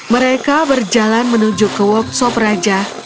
mereka berjalan menuju ke workshop raja